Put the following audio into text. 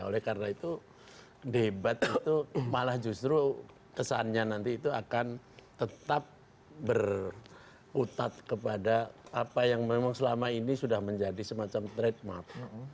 oleh karena itu debat itu malah justru kesannya nanti itu akan tetap berutat kepada apa yang memang selama ini sudah menjadi semacam trademark